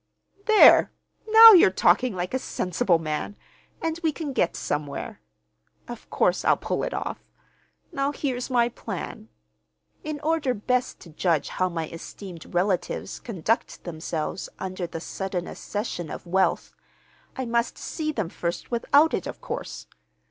"There! Now you're talking like a sensible man, and we can get somewhere. Of course I'll pull it off! Now here's my plan. In order best to judge how my esteemed relatives conduct themselves under the sudden accession of wealth, I must see them first without it, of course.